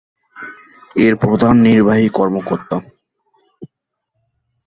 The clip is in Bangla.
এর প্রধান নির্বাহী কর্মকর্তা।